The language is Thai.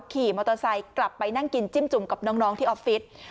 ขี่มอเตอร์ไซค์กลับไปนั่งกินจิ้มจุ่มกับน้องที่ออฟฟิศ